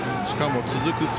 しかも続く